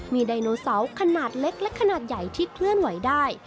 มีไดโนเสาร์ขนาดเล็กและขนาดใหญ่ที่เคลื่อนไหวได้